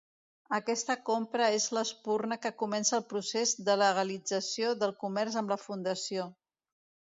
Aquesta compra és l'espurna que comença el procés de legalització del comerç amb la Fundació.